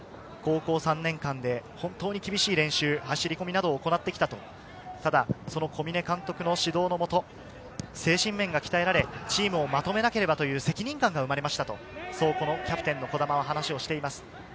高校３年間で本当に厳しい練習、走り込みを行ってきた小嶺監督の指導のもと、精神面が鍛えられ、チームをまとめなければという責任感が生まれたと、キャプテン・児玉は話しています。